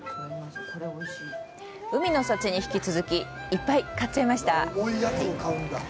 海の幸に引き続きいっぱい買っちゃいました！